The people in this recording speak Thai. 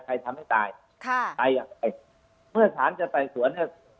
ทำให้ตายค่ะใครอ่ะไอ้เมื่อสารจะไต่สวนเนี่ย